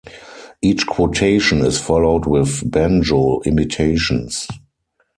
Each quotation is followed with banjo imitations.